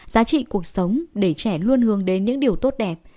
giá trị cuộc sống để trẻ luôn hướng đến những điều tốt đẹp